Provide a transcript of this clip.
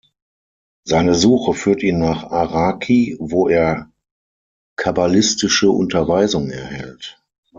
Seine Suche führt ihn nach Araki, wo er kabbalistische Unterweisung erhält.